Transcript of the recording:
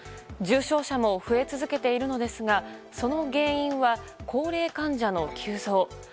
重症者も増え続けているのですがその原因は高齢患者の急増。